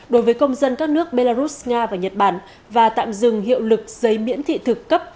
đối với công dân các nước belarus nga và nhật bản và tạm dừng hiệu lực giấy miễn thị thực cấp